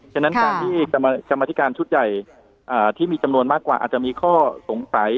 ฉะนั้นการที่กรรมธิการชุดใหญ่ที่มีจำนวนมากกว่าอาจจะมีข้อสงสัย